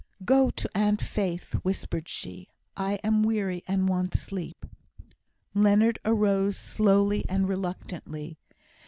"Go to Aunt Faith!" whispered she; "I am weary, and want sleep." Leonard arose slowly and reluctantly.